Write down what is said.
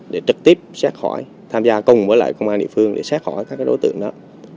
để trực tiếp xét khỏi tham gia cùng với lại công an địa phương để xét khỏi các đối tượng đó